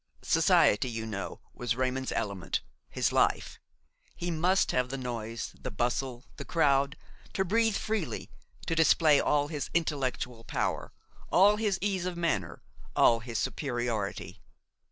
Society, you know, was Raymon's element, his life; he must have the noise, the bustle, the crowd, to breathe freely, to display all his intellectual power, all his ease of manner, all his superiority.